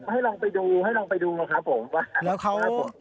ให้ลองไปดูนะครับผม